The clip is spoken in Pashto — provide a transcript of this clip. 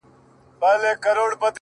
پټ کي څرگند دی ـ